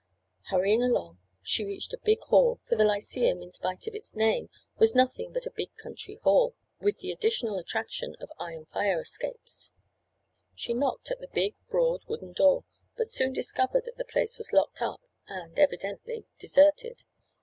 Hurrying along, she reached a big hall, for the Lyceum, in spite of its name, was nothing but a big country hall, with the additional attraction of iron fire escapes. She knocked at the big broad wooden door, but soon discovered that the place was locked up and, evidently, deserted.